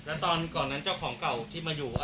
แล้วตอนก่อนนั้นเจ้าของเก่าที่มาอยู่